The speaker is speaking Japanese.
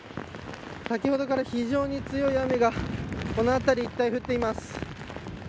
先ほどから非常に強い雨がこの辺り一帯、降っています。